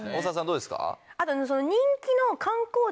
どうですか？